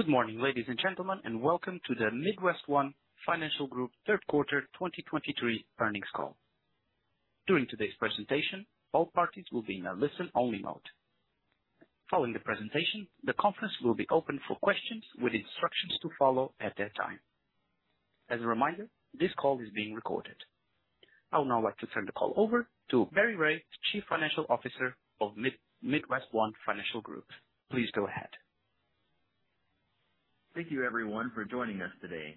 Good morning, ladies and gentlemen, and welcome to the MidWestOne Financial Group Q3 2023 earnings call. During today's presentation, all parties will be in a listen-only mode. Following the presentation, the conference will be open for questions with instructions to follow at that time. As a reminder, this call is being recorded. I would now like to turn the call over to Barry Ray, Chief Financial Officer of MidWestOne Financial Group. Please go ahead. Thank you everyone for joining us today.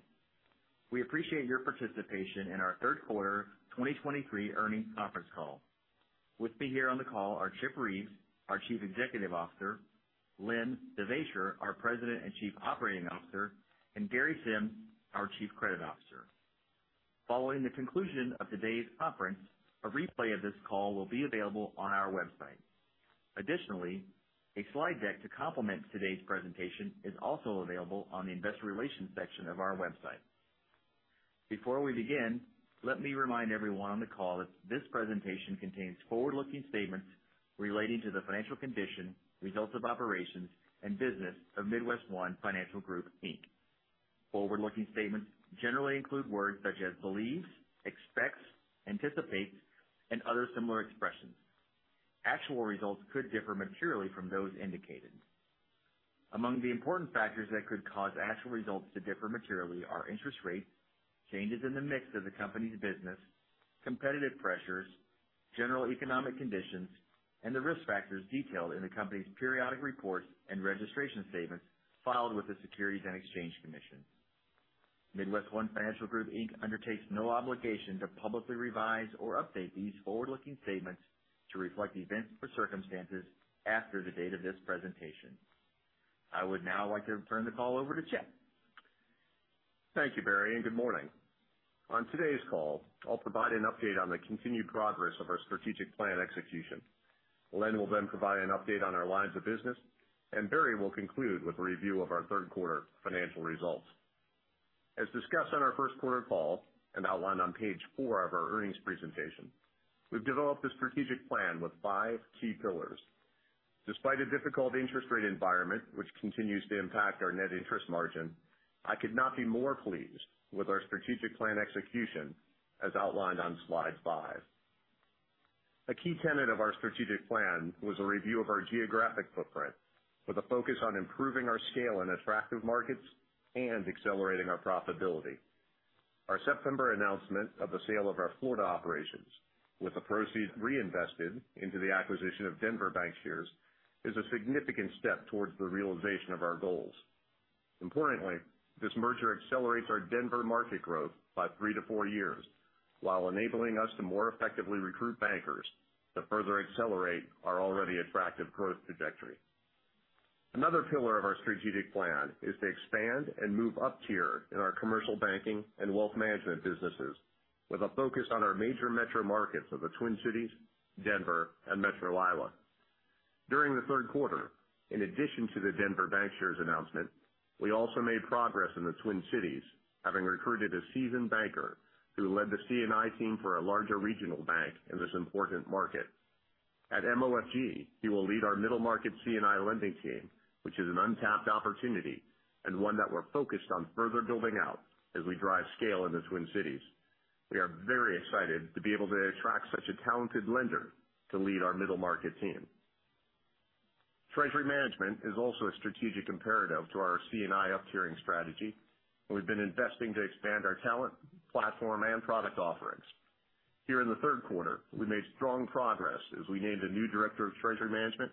We appreciate your participation in our Q3 2023 earnings conference call. With me here on the call are Chip Reeves, our Chief Executive Officer, Len Devaisher, our President and Chief Operating Officer, and Gary Sims, our Chief Credit Officer. Following the conclusion of today's conference, a replay of this call will be available on our website. Additionally, a slide deck to complement today's presentation is also available on the investor relations section of our website. Before we begin, let me remind everyone on the call that this presentation contains forward-looking statements relating to the financial condition, results of operations, and business of MidWestOne Financial Group, Inc. Forward-looking statements generally include words such as believes, expects, anticipates, and other similar expressions. Actual results could differ materially from those indicated. Among the important factors that could cause actual results to differ materially are interest rates, changes in the mix of the company's business, competitive pressures, general economic conditions, and the risk factors detailed in the company's periodic reports and registration statements filed with the Securities and Exchange Commission. MidWestOne Financial Group, Inc. undertakes no obligation to publicly revise or update these forward-looking statements to reflect events or circumstances after the date of this presentation. I would now like to turn the call over to Chip. Thank you, Barry, and good morning. On today's call, I'll provide an update on the continued progress of our strategic plan execution. Len will then provide an update on our lines of business, and Barry will conclude with a review of our Q3 financial results. As discussed on our Q1 call and outlined on page four of our earnings presentation, we've developed a strategic plan with five key pillars. Despite a difficult interest rate environment, which continues to impact our net interest margin, I could not be more pleased with our strategic plan execution, as outlined on slide five. A key tenet of our strategic plan was a review of our geographic footprint with a focus on improving our scale in attractive markets and accelerating our profitability. Our September announcement of the sale of our Florida operations, with the proceeds reinvested into the acquisition of Denver Bankshares, is a significant step towards the realization of our goals. Importantly, this merger accelerates our Denver market growth by 3-4 years, while enabling us to more effectively recruit bankers to further accelerate our already attractive growth trajectory. Another pillar of our strategic plan is to expand and move up-tier in our commercial banking and wealth management businesses, with a focus on our major metro markets of the Twin Cities, Denver, and Metro Iowa. During the Q3, in addition to the Denver Bankshares announcement, we also made progress in the Twin Cities, having recruited a seasoned banker who led the C&I team for a larger regional bank in this important market. At MOFG, he will lead our middle market C&I lending team, which is an untapped opportunity and one that we're focused on further building out as we drive scale in the Twin Cities. We are very excited to be able to attract such a talented lender to lead our middle market team. Treasury management is also a strategic imperative to our C&I up-tiering strategy, and we've been investing to expand our talent, platform, and product offerings. Here in the Q3, we made strong progress as we named a new director of treasury management,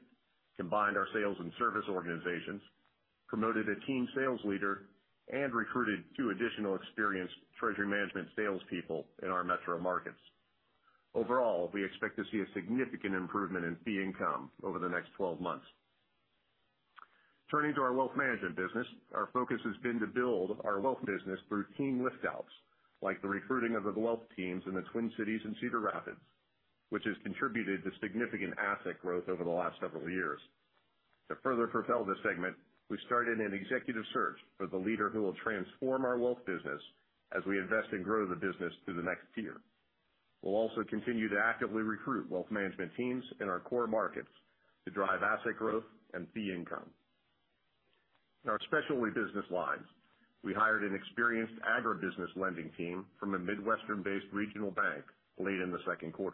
combined our sales and service organizations, promoted a team sales leader, and recruited two additional experienced treasury management salespeople in our metro markets. Overall, we expect to see a significant improvement in fee income over the next twelve months. Turning to our wealth management business, our focus has been to build our wealth business through team lift outs, like the recruiting of the wealth teams in the Twin Cities and Cedar Rapids, which has contributed to significant asset growth over the last several years. To further propel this segment, we started an executive search for the leader who will transform our wealth business as we invest and grow the business through the next year. We'll also continue to actively recruit wealth management teams in our core markets to drive asset growth and fee income. In our specialty business lines, we hired an experienced agribusiness lending team from a Midwestern-based regional bank late in the Q2.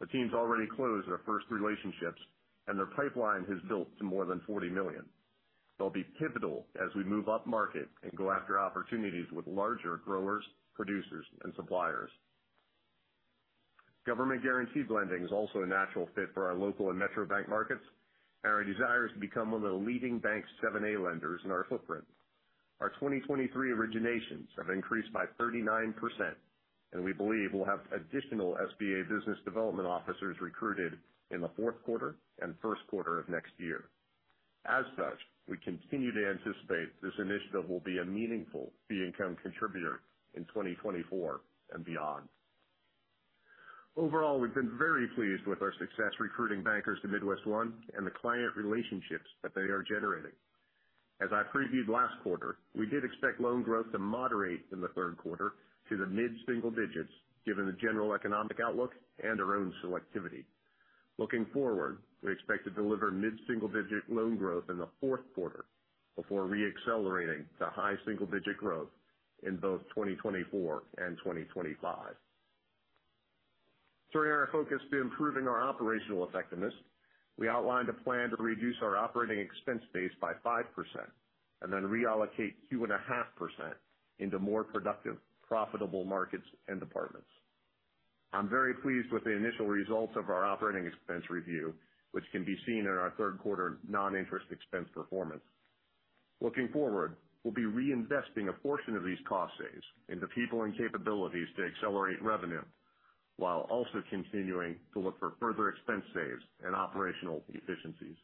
The teams already closed their first relationships, and their pipeline has built to more than $40 million. They'll be pivotal as we move up market and go after opportunities with larger growers, producers, and suppliers. Government guaranteed lending is also a natural fit for our local and metro bank markets, and our desire is to become one of the leading bank 7(a) lenders in our footprint. Our 2023 originations have increased by 39%, and we believe we'll have additional SBA business development officers recruited in the Q4 and Q1 of next year. As such, we continue to anticipate this initiative will be a meaningful fee income contributor in 2024 and beyond. Overall, we've been very pleased with our success recruiting bankers to MidWestOne and the client relationships that they are generating. As I previewed last quarter, we did expect loan growth to moderate in the Q3 to the mid-single digits, given the general economic outlook and our own selectivity.... Looking forward, we expect to deliver mid-single-digit loan growth in the Q4 before reaccelerating to high single-digit growth in both 2024 and 2025. Turning our focus to improving our operational effectiveness, we outlined a plan to reduce our operating expense base by 5% and then reallocate 2.5% into more productive, profitable markets and departments. I'm very pleased with the initial results of our operating expense review, which can be seen in our Q3 non-interest expense performance. Looking forward, we'll be reinvesting a portion of these cost saves into people and capabilities to accelerate revenue, while also continuing to look for further expense saves and operational efficiencies.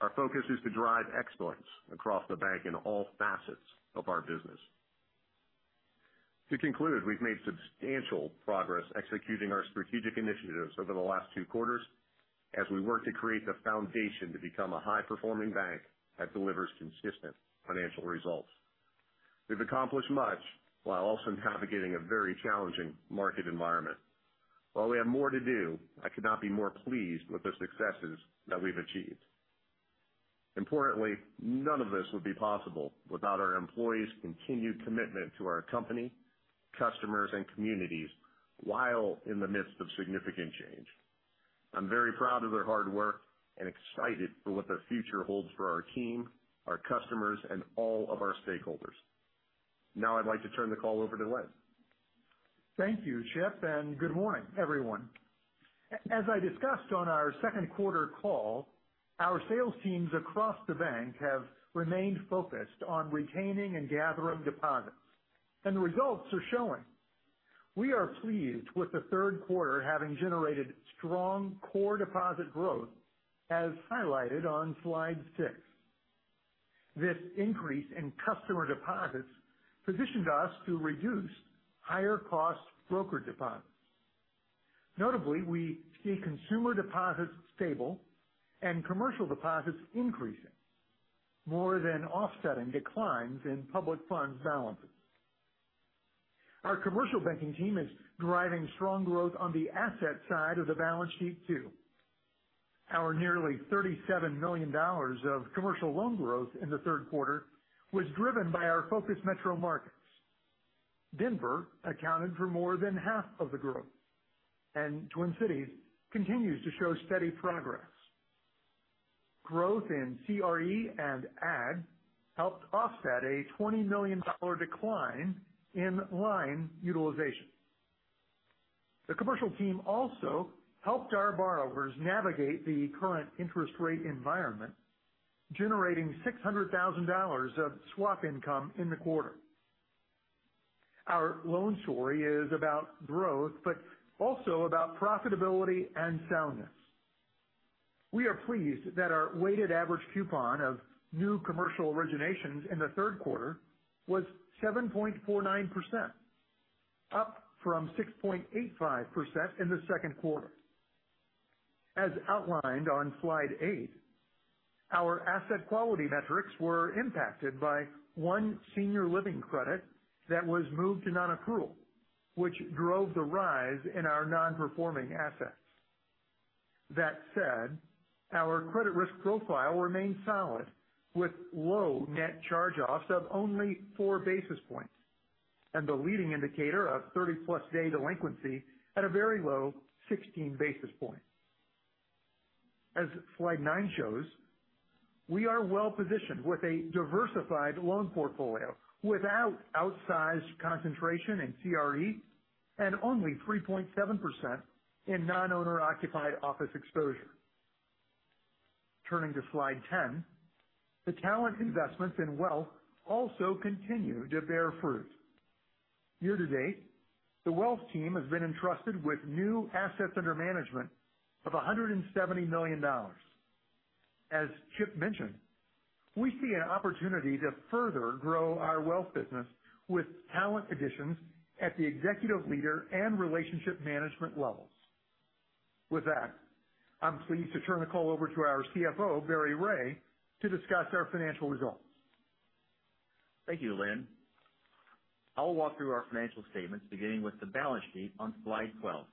Our focus is to drive excellence across the bank in all facets of our business. To conclude, we've made substantial progress executing our strategic initiatives over the last two quarters as we work to create the foundation to become a high-performing bank that delivers consistent financial results. We've accomplished much while also navigating a very challenging market environment. While we have more to do, I could not be more pleased with the successes that we've achieved. Importantly, none of this would be possible without our employees' continued commitment to our company, customers, and communities while in the midst of significant change. I'm very proud of their hard work and excited for what the future holds for our team, our customers, and all of our stakeholders. Now I'd like to turn the call over to Len. Thank you, Chip, and good morning, everyone. As I discussed on our Q2 call, our sales teams across the bank have remained focused on retaining and gathering deposits, and the results are showing. We are pleased with the Q3 having generated strong core deposit growth, as highlighted on slide 6. This increase in customer deposits positioned us to reduce higher-cost broker deposits. Notably, we see consumer deposits stable and commercial deposits increasing, more than offsetting declines in public funds balances. Our commercial banking team is driving strong growth on the asset side of the balance sheet, too. Our nearly $37 million of commercial loan growth in the Q3 was driven by our focus metro markets. Denver accounted for more than half of the growth, and Twin Cities continues to show steady progress. Growth in CRE and Ag helped offset a $20 million decline in line utilization. The commercial team also helped our borrowers navigate the current interest rate environment, generating $600,000 of swap income in the quarter. Our loan story is about growth, but also about profitability and soundness. We are pleased that our weighted average coupon of new commercial originations in the Q3 was 7.49%, up from 6.85% in the Q2. As outlined on Slide 8, our asset quality metrics were impacted by one senior living credit that was moved to nonaccrual, which drove the rise in our nonperforming assets. That said, our credit risk profile remains solid, with low net charge-offs of only 4 basis points and the leading indicator of 30+ day delinquency at a very low 16 basis points. As Slide 9 shows, we are well positioned with a diversified loan portfolio without outsized concentration in CRE and only 3.7% in non-owner occupied office exposure. Turning to Slide 10, the talent investments in wealth also continue to bear fruit. Year to date, the wealth team has been entrusted with new assets under management of $170 million. As Chip mentioned, we see an opportunity to further grow our wealth business with talent additions at the executive leader and relationship management levels. With that, I'm pleased to turn the call over to our CFO, Barry Ray, to discuss our financial results. Thank you, Len. I'll walk through our financial statements, beginning with the balance sheet on slide 12.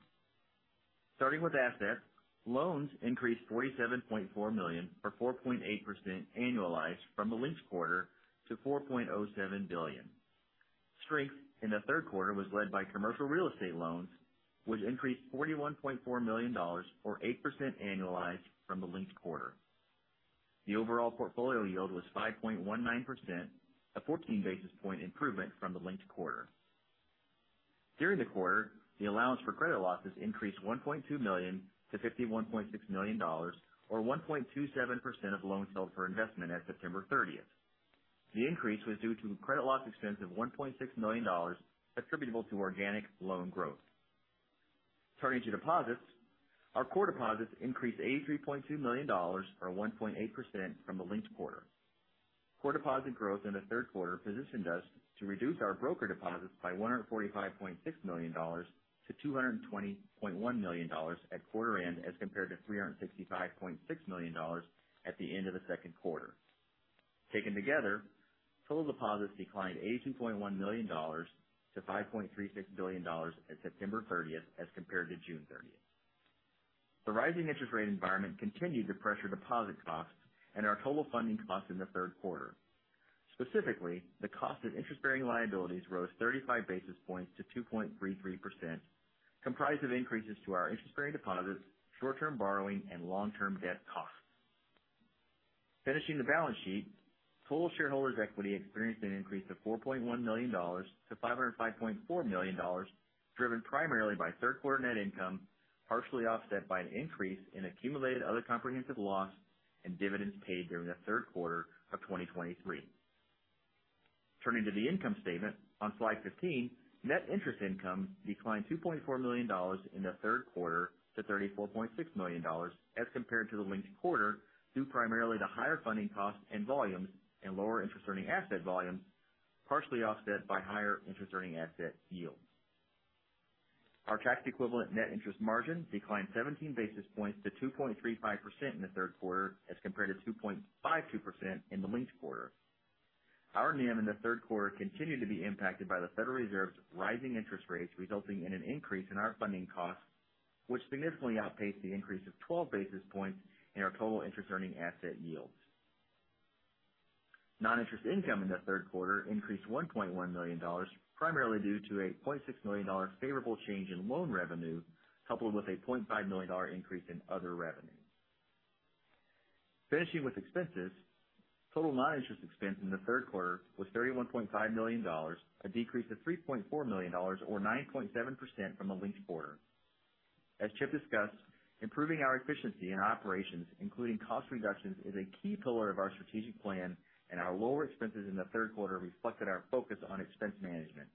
Starting with assets, loans increased $47.4 million, or 4.8% annualized from the linked quarter to $4.07 billion. Strength in the Q3 was led by commercial real estate loans, which increased $41.4 million or 8% annualized from the linked quarter. The overall portfolio yield was 5.19%, a fourteen basis points improvement from the linked quarter. During the quarter, the allowance for credit losses increased $1.2 million to $51.6 million, or 1.27% of loans held for investment at September 30. The increase was due to credit loss expense of $1.6 million attributable to organic loan growth. Turning to deposits, our core deposits increased $83.2 million, or 1.8% from the linked quarter. Core deposit growth in the Q3 positioned us to reduce our broker deposits by $145.6 million to $220.1 million at quarter end, as compared to $365.6 million at the end of the Q2. Taken together, total deposits declined $82.1 million to $5.36 billion at September 30, as compared to June 30. The rising interest rate environment continued to pressure deposit costs and our total funding costs in the Q3. Specifically, the cost of interest bearing liabilities rose 35 basis points to 2.33%, comprised of increases to our interest bearing deposits, short-term borrowing, and long-term debt costs. Finishing the balance sheet, total shareholders' equity experienced an increase of $4.1 million to $505.4 million, driven primarily by Q3 net income, partially offset by an increase in accumulated other comprehensive loss and dividends paid during the Q3 of 2023. Turning to the income statement on slide 15, net interest income declined $2.4 million in the Q3 to $34.6 million as compared to the linked quarter, due primarily to higher funding costs and volumes and lower interest earning asset volumes, partially offset by higher interest earning asset yields. Our tax equivalent net interest margin declined 17 basis points to 2.35% in the Q3, as compared to 2.52% in the linked quarter. Our NIM in the Q3 continued to be impacted by the Federal Reserve's rising interest rates, resulting in an increase in our funding costs, which significantly outpaced the increase of 12 basis points in our total interest earning asset yields. Non-interest income in the Q3 increased $1.1 million, primarily due to a $0.6 million favorable change in loan revenue, coupled with a $0.5 million increase in other revenue. Finishing with expenses, total non-interest expense in the Q3 was $31.5 million, a decrease of $3.4 million or 9.7% from the linked quarter. As Chip discussed, improving our efficiency in operations, including cost reductions, is a key pillar of our strategic plan, and our lower expenses in the Q3 reflected our focus on expense management.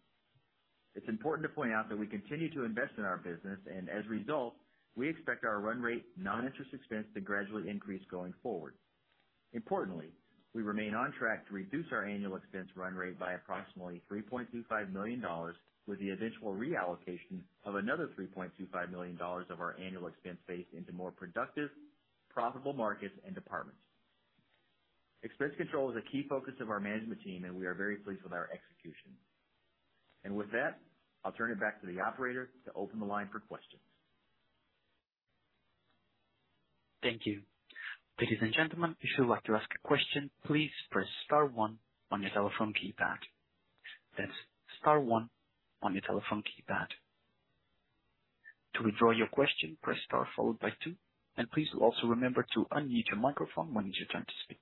It's important to point out that we continue to invest in our business, and as a result, we expect our run rate non-interest expense to gradually increase going forward. Importantly, we remain on track to reduce our annual expense run rate by approximately $3.25 million, with the eventual reallocation of another $3.25 million of our annual expense base into more productive, profitable markets and departments. Expense control is a key focus of our management team, and we are very pleased with our execution. With that, I'll turn it back to the operator to open the line for questions. Thank you. Ladies and gentlemen, if you would like to ask a question, please press star one on your telephone keypad. That's star one on your telephone keypad. To withdraw your question, press star followed by two, and please also remember to unmute your microphone when it's your turn to speak.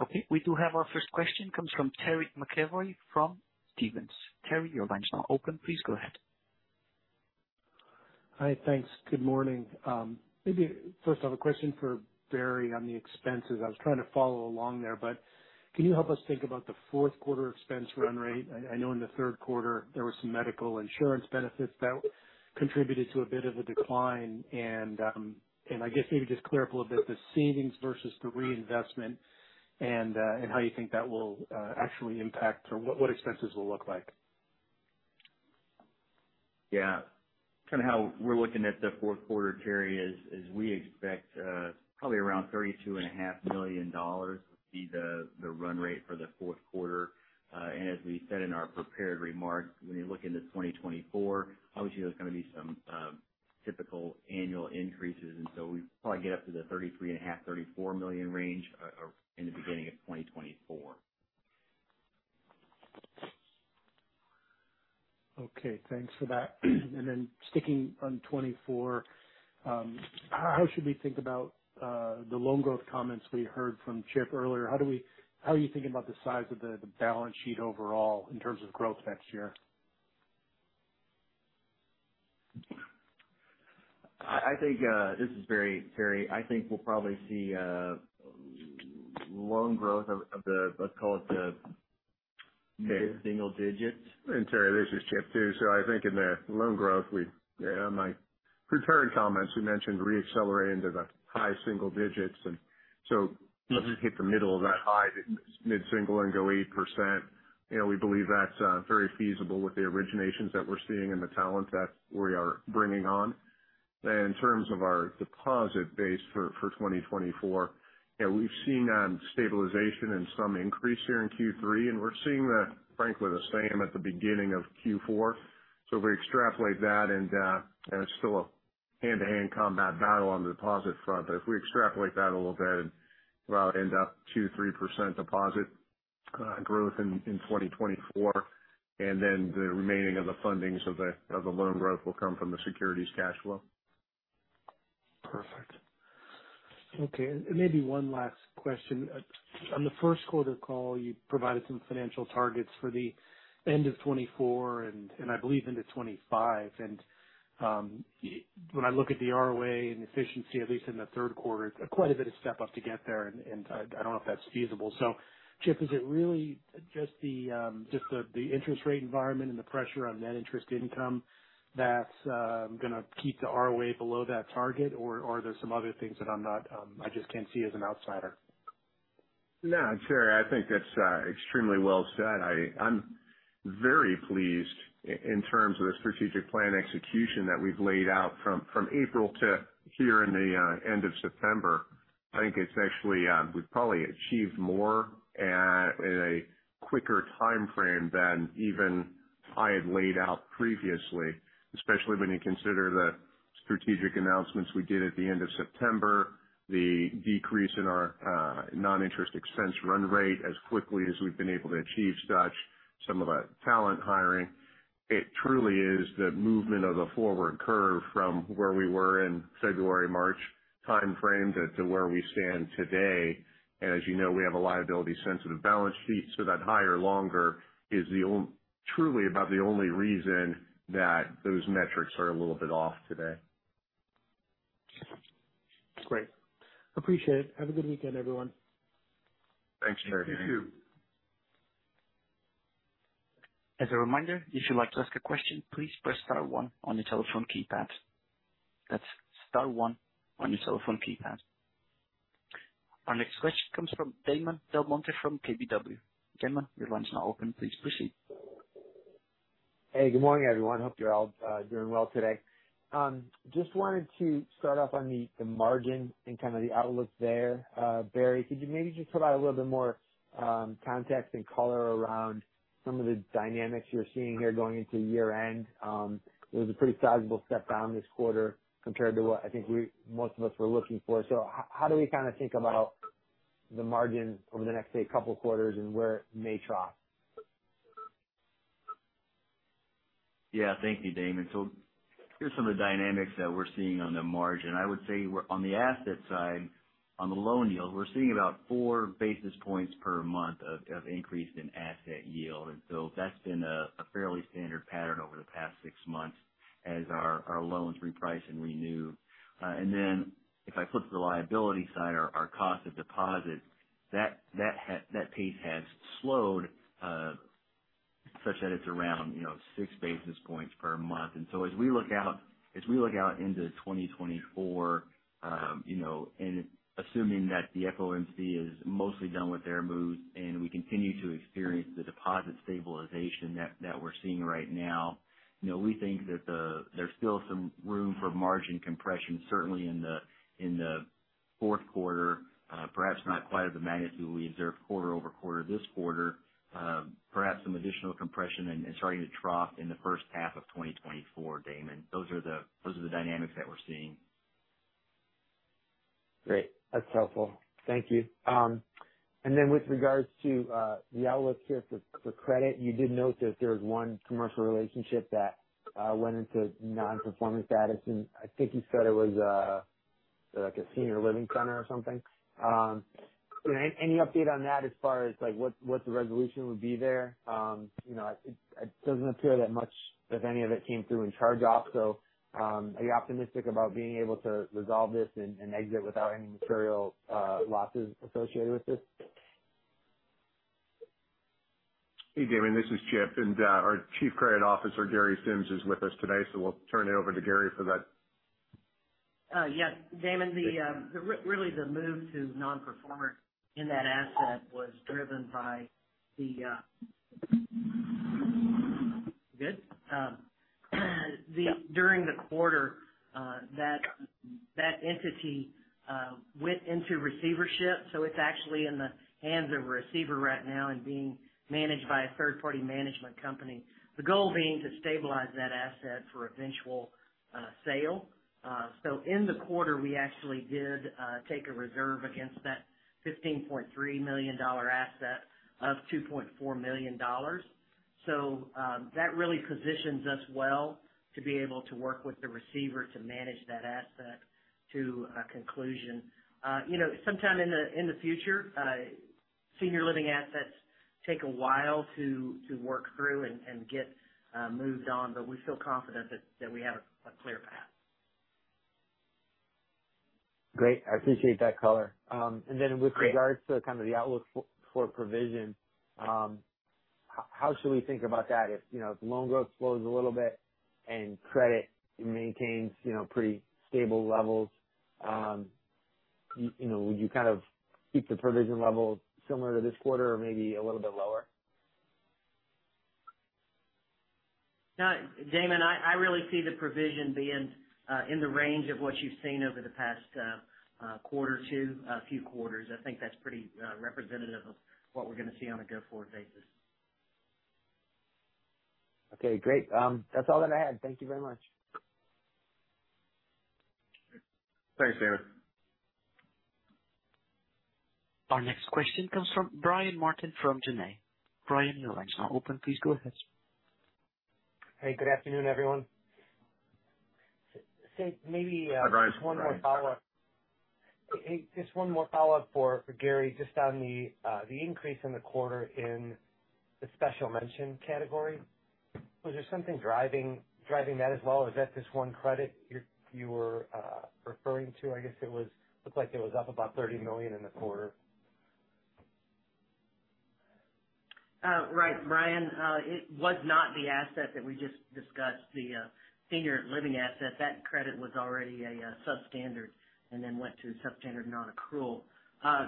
Okay, we do have our first question comes from Terry McEvoy from Stephens. Terry, your line is now open. Please go ahead. Hi, thanks. Good morning. Maybe first I have a question for Barry on the expenses. I was trying to follow along there, but can you help us think about the Q4 expense run rate? I know in the Q3 there were some medical insurance benefits that contributed to a bit of a decline. And I guess maybe just clear up a little bit, the savings versus the reinvestment and how you think that will actually impact or what expenses will look like. Yeah. Kind of how we're looking at the Q4, Terry, is, is we expect, probably around $32.5 million to be the, the run rate for the Q4. And as we said in our prepared remarks, when you look into 2024, obviously there's going to be some, typical annual increases, and so we probably get up to the $33.5-$34 million range, in the beginning of 2024. Okay, thanks for that. And then sticking on 24, how should we think about, the loan growth comments we heard from Chip earlier? How do we... How are you thinking about the size of the, the balance sheet overall in terms of growth next year? I think this is Barry, Terry. I think we'll probably see loan growth of the, let's call it the mid-single digits. And Terry, this is Chip, too. So I think in the loan growth we, in my prepared comments, we mentioned reaccelerating to the high single digits. And so let's just hit the middle of that high mid-single and go 8%. You know, we believe that's very feasible with the originations that we're seeing and the talent that we are bringing on. In terms of our deposit base for 2024, yeah, we've seen stabilization and some increase here in Q3, and we're seeing the, frankly, the same at the beginning of Q4. So if we extrapolate that and it's still a hand-to-hand combat battle on the deposit front, but if we extrapolate that a little bit, we'll end up 2-3% deposit growth in 2024, and then the remaining of the fundings of the loan growth will come from the securities cash flow. Perfect. Okay, and maybe one last question. On the Q1 call, you provided some financial targets for the end of 2024 and I believe into 2025. And when I look at the ROA and efficiency, at least in the Q3, quite a bit of step up to get there, and I don't know if that's feasible. So Chip, is it really just the interest rate environment and the pressure on net interest income that's going to keep the ROA below that target? Or are there some other things that I'm not, I just can't see as an outsider? No, sure, I think that's extremely well said. I'm very pleased in terms of the strategic plan execution that we've laid out from April to here in the end of September. I think it's actually we've probably achieved more in a quicker timeframe than even I had laid out previously, especially when you consider the strategic announcements we did at the end of September, the decrease in our non-interest expense run rate as quickly as we've been able to achieve such some of the talent hiring. It truly is the movement of the forward curve from where we were in February, March timeframe to where we stand today. And as you know, we have a liability sensitive balance sheet, so that higher longer is truly about the only reason that those metrics are a little bit off today. Great. Appreciate it. Have a good weekend, everyone. Thanks. Thank you. As a reminder, if you'd like to ask a question, please press star one on your telephone keypad. That's star one on your telephone keypad. Our next question comes from Damon Del Monte from KBW. Damon, your line's now open. Please proceed. Hey, good morning, everyone. Hope you're all doing well today. Just wanted to start off on the margin and kind of the outlook there. Barry, could you maybe just provide a little bit more context and color around some of the dynamics you're seeing here going into year-end? It was a pretty sizable step down this quarter compared to what I think most of us were looking for. So how do we kind of think about the margin over the next, say, couple quarters and where it may trough? Yeah. Thank you, Damon. So here's some of the dynamics that we're seeing on the margin. I would say we're on the asset side, on the loan yield, we're seeing about four basis points per month of increase in asset yield. And so that's been a fairly standard pattern over the past six months as our loans reprice and renew. And then if I flip to the liability side, our cost of deposits, that pace has slowed such that it's around, you know, six basis points per month. And so as we look out, as we look out into 2024, you know, and assuming that the FOMC is mostly done with their moves and we continue to experience the deposit stabilization that, that we're seeing right now, you know, we think that the, there's still some room for margin compression, certainly in the, in the Q4. Perhaps not quite at the magnitude we observed quarter-over-quarter this quarter. Perhaps some additional compression and, and starting to trough in the first half of 2024, Damon. Those are the, those are the dynamics that we're seeing. Great. That's helpful. Thank you. And then with regards to the outlook here for credit, you did note that there was one commercial relationship that went into non-performance status, and I think you said it was, like, a senior living center or something. Any update on that as far as, like, what the resolution would be there? You know, it doesn't appear that much, if any of it came through in charge off. So, are you optimistic about being able to resolve this and exit without any material losses associated with this? Hey, Damon, this is Chip, and, our Chief Credit Officer, Gary Sims, is with us today, so we'll turn it over to Gary for that. Yes, Damon, really the move to non-performance in that asset was driven by the, uh... Good? During the quarter, that entity went into receivership, so it's actually in the hands of a receiver right now and being managed by a third-party management company. The goal being to stabilize that asset for eventual sale. In the quarter, we actually did take a reserve against that $15.3 million asset of $2.4 million. That really positions us well to be able to work with the receiver to manage that asset to a conclusion. You know, sometime in the future, senior living assets take a while to work through and get moved on, but we feel confident that we have a clear path. Great. I appreciate that color. And then with- Great. regards to kind of the outlook for, for provision, how should we think about that? If, you know, if loan growth slows a little bit and credit maintains, you know, pretty stable levels, you know, would you kind of keep the provision levels similar to this quarter or maybe a little bit lower? No, Damon, I really see the provision being in the range of what you've seen over the past quarter to a few quarters. I think that's pretty representative of what we're going to see on a go-forward basis. Okay, great. That's all that I had. Thank you very much. Thanks, Damon. Our next question comes from Brian Martin from Janney. Brian, your line's now open. Please go ahead. Hey, good afternoon, everyone. So maybe, Hi, Brian. Just one more follow-up. Hey, just one more follow-up for Gary, just on the increase in the quarter in the special mention category. Was there something driving that as well, or is that just one credit you were referring to? I guess it looked like it was up about $30 million in the quarter. Right, Brian, it was not the asset that we just discussed, the senior living asset. That credit was already a Substandard and then went to Substandard Nonaccrual.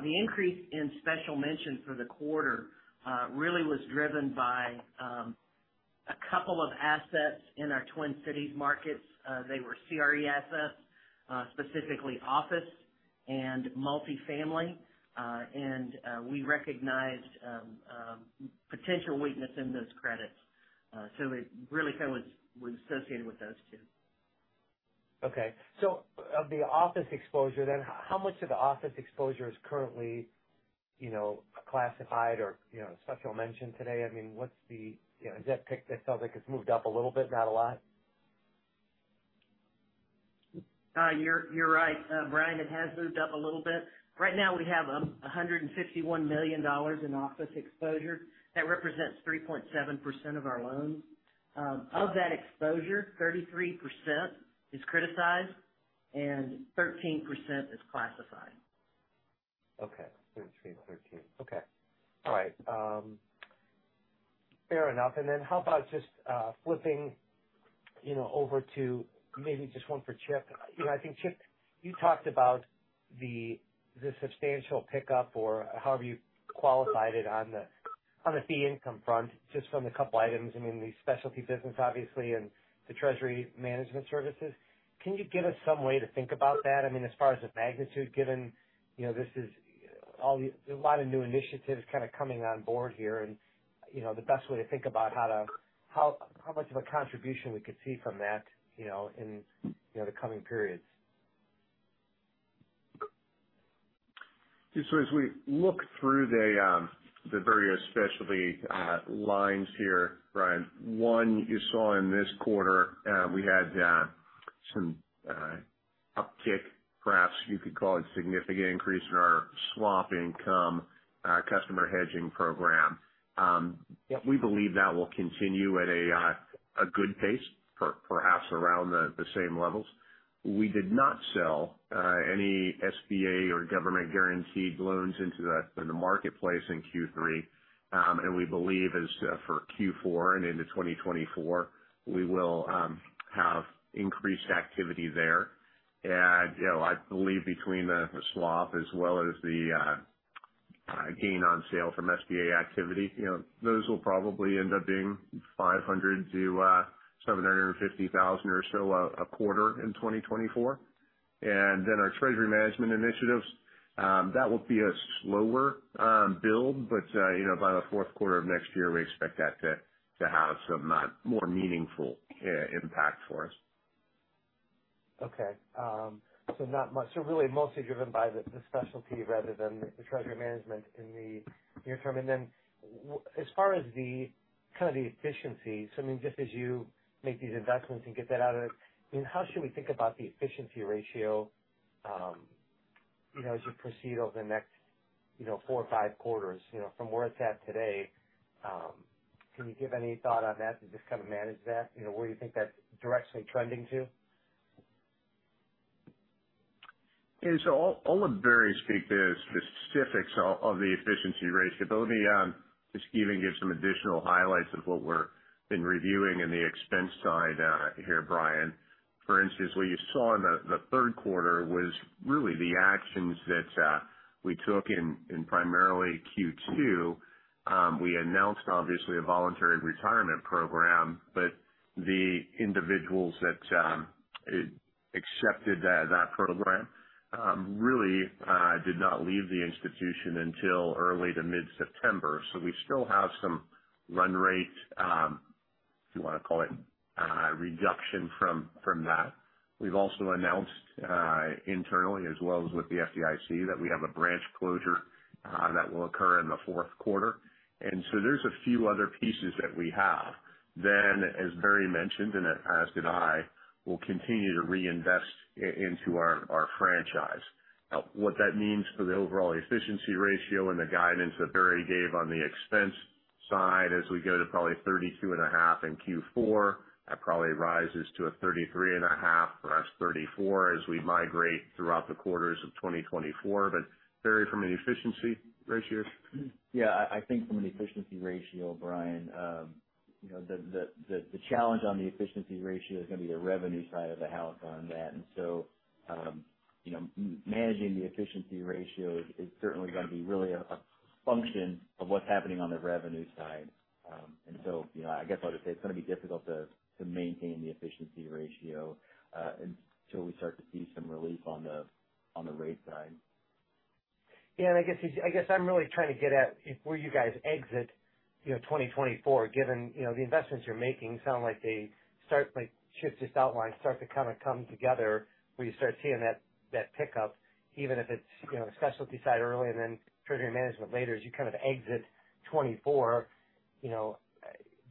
The increase in Special Mention for the quarter really was driven by a couple of assets in our Twin Cities markets. They were CRE assets, specifically office and multifamily. And we recognized potential weakness in those credits. So it really kind of was associated with those two. Okay. So of the office exposure then, how much of the office exposure is currently, you know, classified or, you know, Special Mention today? I mean, what's the, you know, is that pick that feels like it's moved up a little bit? Not a lot. You're right, Brian, it has moved up a little bit. Right now we have $151 million in office exposure. That represents 3.7% of our loans. Of that exposure, 33% is criticized and 13% is classified. Okay. 13, 13. Okay. All right. Fair enough. And then how about just, flipping, you know, over to maybe just one for Chip. You know, I think, Chip, you talked about the substantial pickup or however you qualified it on the fee income front, just from a couple items. I mean, the specialty business, obviously, and the treasury management services. Can you give us some way to think about that? I mean, as far as the magnitude given, you know, this is all the... A lot of new initiatives kind of coming on board here and, you know, the best way to think about how to... How much of a contribution we could see from that, you know, in, you know, the coming periods. Just as we look through the various specialty lines here, Brian, one you saw in this quarter, we had some uptick, perhaps you could call it significant increase in our swap income, customer hedging program. We believe that will continue at a good pace, perhaps around the same levels. We did not sell any SBA or government guaranteed loans into the marketplace in Q3. We believe for Q4 and into 2024, we will have increased activity there. You know, I believe between the swap as well as the gain on sale from SBA activity, those will probably end up being $500,000-$750,000 or so a quarter in 2024. Then our treasury management initiatives, that will be a slower build. But, you know, by the Q4 of next year, we expect that to have some more meaningful impact for us. Okay. So not much, so really mostly driven by the specialty rather than the Treasury Management in the near term. And then as far as the kind of the efficiency, so I mean, just as you make these investments and get that out of it, I mean, how should we think about the efficiency ratio, you know, as you proceed over the next, you know, four or five quarters, you know, from where it's at today, can you give any thought on that to just kind of manage that? You know, where you think that's directly trending to? And so I'll let Barry speak to the specifics of the efficiency ratio, but let me just even give some additional highlights of what we're been reviewing in the expense side, here, Brian. For instance, what you saw in the Q3 was really the actions that we took in primarily Q2. We announced obviously a voluntary retirement program, but the individuals that accepted that program really did not leave the institution until early to mid-September. So we still have some run rate, if you want to call it, reduction from that. We've also announced internally, as well as with the FDIC, that we have a branch closure that will occur in the Q4. And so there's a few other pieces that we have. Then, as Barry mentioned, and as did I, we'll continue to reinvest in our franchise. Now, what that means for the overall efficiency ratio and the guidance that Barry gave on the expense side, as we go to probably 32.5 in Q4, that probably rises to a 33.5, perhaps 34, as we migrate throughout the quarters of 2024. But Barry, from an efficiency ratio? Yeah, I think from an efficiency ratio, Brian, you know, the challenge on the efficiency ratio is going to be the revenue side of the house on that. And so, you know, managing the efficiency ratio is certainly going to be really a function of what's happening on the revenue side. And so, you know, I guess I would say it's going to be difficult to maintain the efficiency ratio until we start to see some relief on the rate side. Yeah, and I guess, I guess I'm really trying to get at where you guys exit, you know, 2024, given, you know, the investments you're making sound like they start, like, Chip just outlined, start to kind of come together, where you start seeing that, that pickup, even if it's, you know, the specialty side earlier and then treasury management later, as you kind of exit 2024, you know,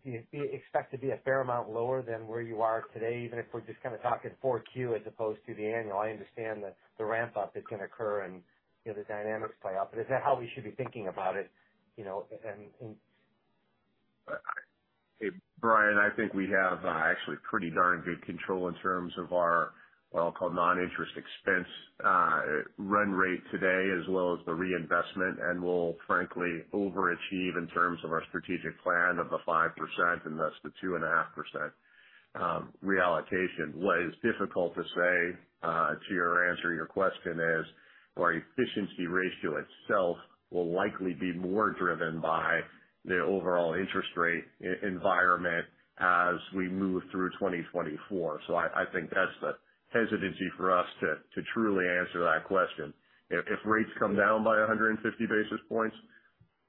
do you expect to be a fair amount lower than where you are today, even if we're just kind of talking 4Q as opposed to the annual? I understand that the ramp-up that's going to occur and, you know, the dynamics play out, but is that how we should be thinking about it, you know, and, and-... Hey, Brian, I think we have, actually pretty darn good control in terms of our, what I'll call non-interest expense, run rate today, as well as the reinvestment. And we'll frankly overachieve in terms of our strategic plan of the 5% and thus the 2.5%, reallocation. What is difficult to say, to answer your question is, our efficiency ratio itself will likely be more driven by the overall interest rate environment as we move through 2024. So I, I think that's the hesitancy for us to, to truly answer that question. If, if rates come down by 150 basis points,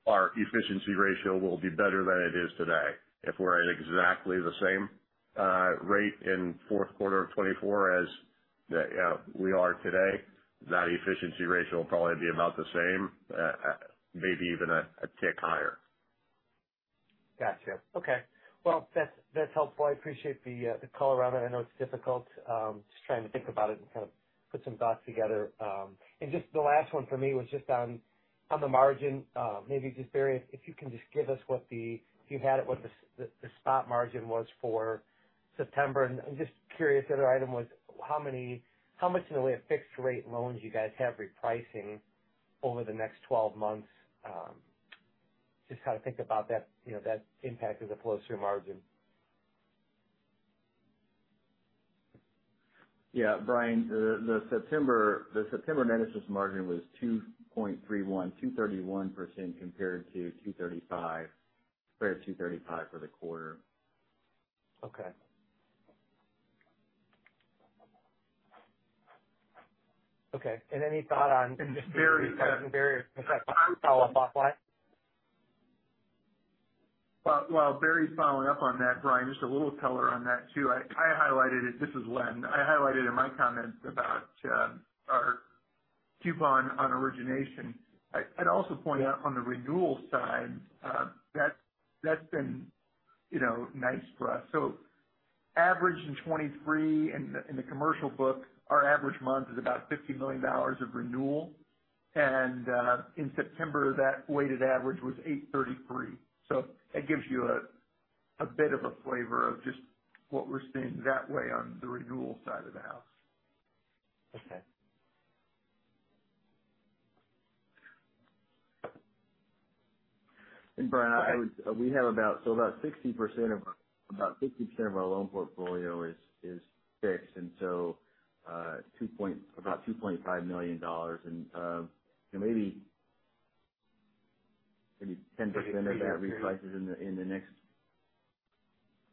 our efficiency ratio will be better than it is today. If we're at exactly the same rate in Q4 of 2024 as we are today, that efficiency ratio will probably be about the same, maybe even a tick higher. Gotcha. Okay. Well, that's, that's helpful. I appreciate the color on it. I know it's difficult. Just trying to think about it and kind of put some thoughts together. And just the last one for me was just on the margin. Maybe just, Barry, if you can just give us what the spot margin was for September? And I'm just curious, the other item was how much in the way of fixed rate loans you guys have repricing over the next 12 months? Just how to think about that, you know, that impact of the flow-through margin. Yeah, Brian, the September net interest margin was 2.31%, compared to 2.35% for the quarter. Okay. Okay, and any thought on- And, Barry, Barry, if I can follow up on that? While Barry's following up on that, Brian, just a little color on that too. I highlighted it. This is Len. I highlighted in my comments about our coupon on origination. I'd also point out on the renewal side, that's been, you know, nice for us. So average in 2023 in the commercial book, our average month is about $50 million of renewal. And in September, that weighted average was 8.33%. So that gives you a bit of a flavor of just what we're seeing that way on the renewal side of the house. Okay. Brian, we have about, so about 60% of our, about 60% of our loan portfolio is fixed, and so, about $2.5 million in, you know, maybe, maybe 10% of that reprices in the, in the next...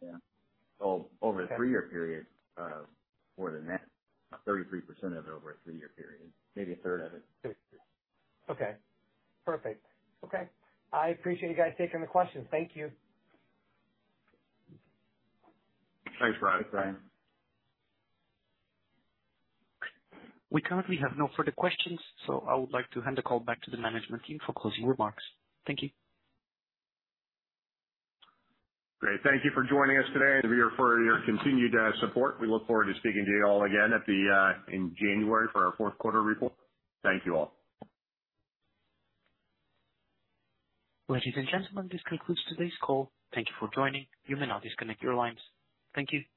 Yeah. So over a three-year period, more than that, 33% of it over a three-year period, maybe a third of it. Okay, perfect. Okay. I appreciate you guys taking the questions. Thank you. Thanks, Brian. Thanks, Brian. We currently have no further questions, so I would like to hand the call back to the management team for closing remarks. Thank you. Great. Thank you for joining us today and we look forward to your continued support. We look forward to speaking to you all again in January for our Q4 report. Thank you all. Ladies and gentlemen, this concludes today's call. Thank you for joining. You may now disconnect your lines. Thank you.